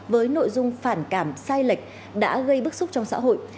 với nội dung phản cảm sai lệch đã gây bức xúc trong xã hội